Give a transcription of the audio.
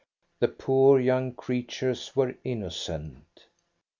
The poor young creatures were innocent.